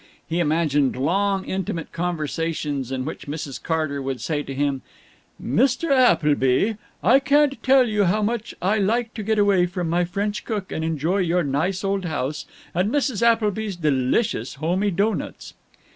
He imagined long intimate conversations in which Mrs. Carter would say to him, "Mr. Appleby, I can't tell you how much I like to get away from my French cook and enjoy your nice old house and Mrs. Appleby's delicious homey doughnuts."